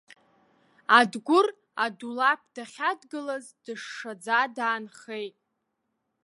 Адгәыр адулаԥ дахьадгылаз дышшаӡа даанхеит.